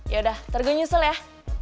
yaudah nanti gue nyusul ya